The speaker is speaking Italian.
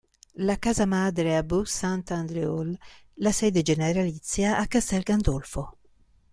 La casa madre è a Bourg-Saint-Andéol, la sede generalizia a Castel Gandolfo.